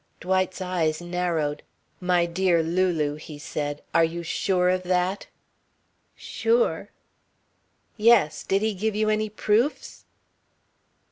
Dwight's eyes narrowed: "My dear Lulu," he said, "are you sure of that?" "Sure?" "Yes. Did he give you any proofs?"